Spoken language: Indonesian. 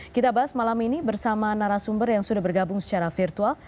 kita bahas malam ini bersama narasumber yang sudah bergabung secara virtual